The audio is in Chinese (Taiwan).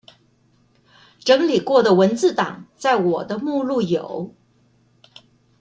整理過的文字檔在我的目錄有